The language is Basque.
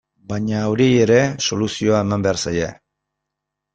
Baina horiei ere soluzioa eman behar zaie.